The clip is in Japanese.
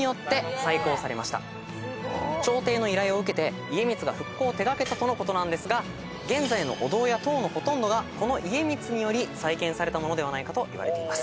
朝廷の依頼を受けて家光が復興を手掛けたとのことですが現在のお堂や塔のほとんどがこの家光により再建されたものではないかといわれています。